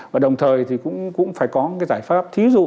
và đồng thời thì cũng phải có một cái giải pháp thí dụ